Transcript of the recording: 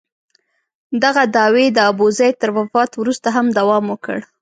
دغه دعوې د ابوزید تر وفات وروسته هم دوام وکړ.